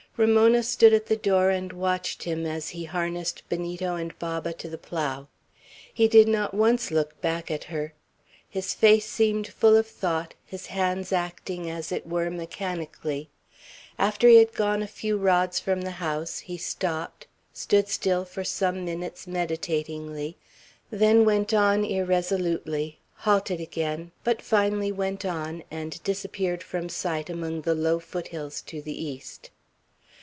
Ramona stood at the door and watched him as he harnessed Benito and Baba to the plough. He did not once look back at her; his face seemed full of thought, his hands acting as it were mechanically. After he had gone a few rods from the house, he stopped, stood still for some minutes meditatingly, then went on irresolutely, halted again, but finally went on, and disappeared from sight among the low foothills to the east.